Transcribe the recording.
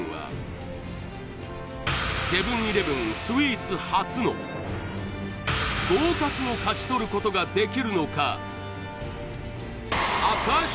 スイーツ初の合格を勝ち取ることができるのか？